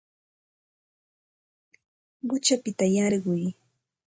Quchapita yarquy